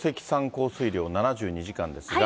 降水量、７２時間ですが。